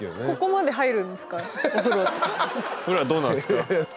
ここまで入るんですか？